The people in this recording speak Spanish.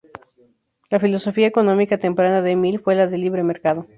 La filosofía económica temprana de Mill fue la de libre mercado.